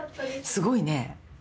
すごいね。